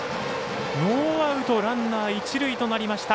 ノーアウト、ランナー一塁となりました。